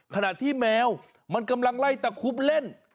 ขณะที่แมวมันกำลังไล่ตะคุบเล่น